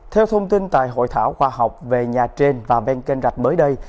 theo thông tin tại hội thảo khoa học về nhà trên và ven kênh rạch mới đây